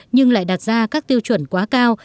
nhưng lại đặt ra các tiêu chuẩn quá cao